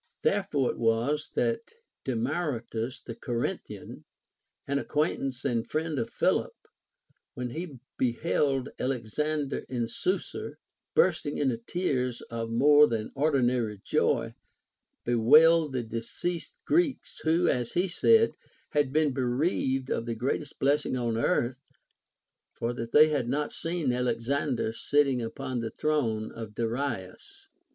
7. Therefore it was that Demaratus the Corinthian, an acquaintance and friend of Philip, when he beheld Alex ander in Susa, bursting into tears of more than ordinary joy, bewailed the deceased Greeks, who, as he said, had been bereaved of the greatest blessing on earth, for that they had not seen Alexander sitting upon the throne of Darius.